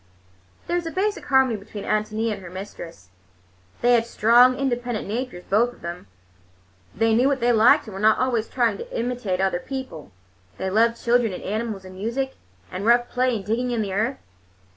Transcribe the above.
There was a basic harmony between Ántonia and her mistress. They had strong, independent natures, both of them. They knew what they liked, and were not always trying to imitate other people. They loved children and animals and music, and rough play and digging in the earth.